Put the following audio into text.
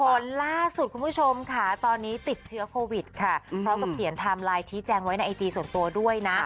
ผลล่าสุดคุณผู้ชมค่ะตอนนี้ติดเชื้อโควิดค่ะพร้อมกับเขียนไทม์ไลน์ชี้แจงไว้ในไอจีส่วนตัวด้วยนะ